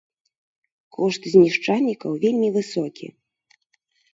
Кошт знішчальнікаў вельмі высокі.